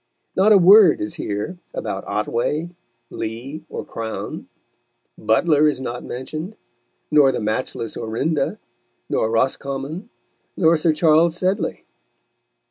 Not a word is here about Otway, Lee, or Crowne; Butler is not mentioned, nor the Matchless Orinda, nor Roscommon, nor Sir Charles Sedley.